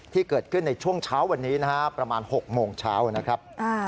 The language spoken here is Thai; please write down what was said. ที่เกิดขึ้นในช่วงเช้าวันนี้นะฮะประมาณ๖โมงเช้านะครับ